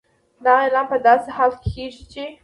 دغه اعلان په داسې حال کې کېږي چې